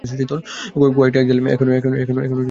কয়েকটা এক্সাইল এখনও আশেপাশে আছে।